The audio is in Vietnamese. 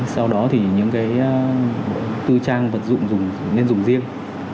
sau đó thì những cái tư trang vật dụng dùng nên dùng riêng